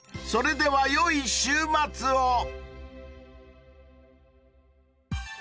［それでは良い週末を］